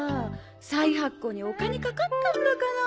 再発行にお金かかったんだから。